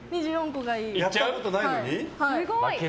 やったことないのに？